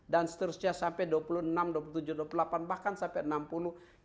dan seterusnya sampai dua puluh enam dua puluh tujuh dua puluh delapan bahkan sampai enam puluh